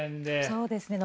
そうですね。